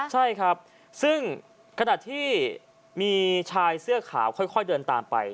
ใช่ครับซึ่งขณะที่มีชายเสื้อขาวค่อยเดินตามไป